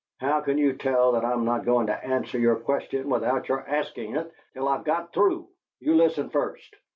How can you tell that I'm not going to answer your question without your asking it, till I've got through? You listen first.